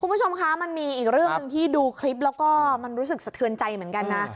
คุณผู้ชมคะมันมีอีกเรื่องหนึ่งที่ดูคลิปแล้วก็มันรู้สึกสะเทือนใจเหมือนกันนะ